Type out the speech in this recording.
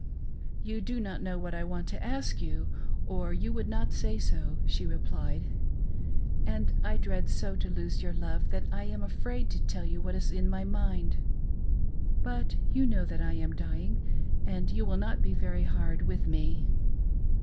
"You do not know what I want to ask you, or you would not say so," she replied ; "and I so dread to lose your love that I am afraid to tell you what is in my mind. But you know that I am dying and you will not be very hard with me."